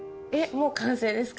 もう完成ですか？